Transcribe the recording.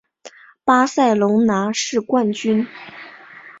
巴塞隆拿是冠军。